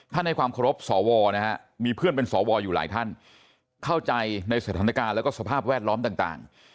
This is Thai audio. ถ้าในความขอบสอวรมีเพื่อนเป็นสอวรอยู่หลายท่านเข้าใจในสถานการณ์แล้วก็สภาพแวดล้อมต่าง